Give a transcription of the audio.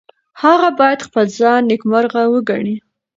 هغه باید خپل ځان نیکمرغه وګڼي.